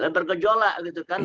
bergejolak gitu kan